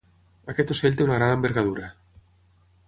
Aquest ocell té una gran envergadura.